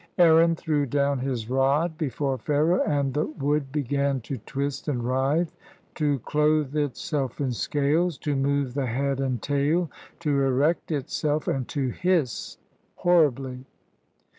" Aaron threw down his rod before Pharaoh, and the wood began to twist and writhe, to clothe itself in scales, to move the head and tail, to erect itself, and to hiss horribly.